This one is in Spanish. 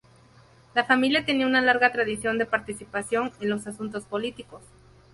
La familia tenía una larga tradición de participación en los asuntos públicos.